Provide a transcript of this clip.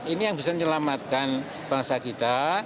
ini yang bisa menyelamatkan bangsa kita